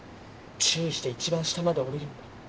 注意して一番下まで下りるんだ。